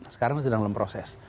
sekarang sedang proses